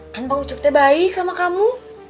kan bang ucup baik sama kamu